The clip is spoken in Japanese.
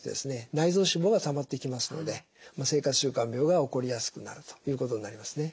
内臓脂肪がたまっていきますので生活習慣病が起こりやすくなるということになりますね。